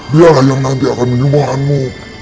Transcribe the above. dialah yang nanti akan membuanganmu